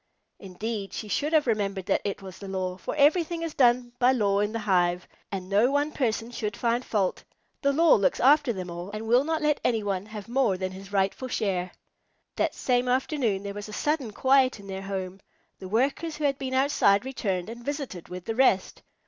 Indeed she should have remembered that it was the law, for everything is done by law in the hive, and no one person should find fault. The law looks after them all, and will not let any one have more than his rightful share. That same afternoon there was a sudden quiet in their home. The Workers who had been outside returned and visited with the rest.